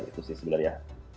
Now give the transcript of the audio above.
itu sih sebenarnya